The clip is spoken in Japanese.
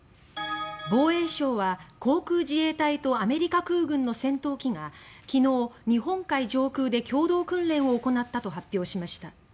防衛省は航空自衛隊とアメリカ空軍の戦闘機が昨日、日本海上空で共同訓練を行ったと発表しました。